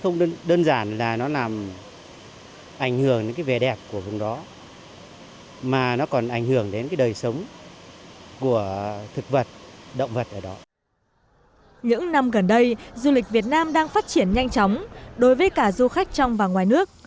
những năm gần đây du lịch việt nam đang phát triển nhanh chóng đối với cả du khách trong và ngoài nước